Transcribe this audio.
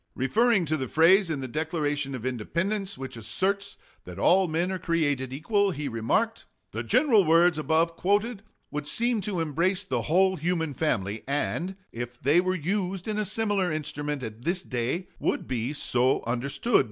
Referring to the phrase in the Declaration of Independence, which asserts that all men are created equal, he remarked: 19 Howard, p. 410. The general words above quoted would seem to embrace the whole human family, and if they were used in a similar instrument at this day would be so understood.